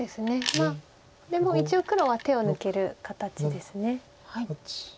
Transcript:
まあでも一応黒は手を抜ける形です。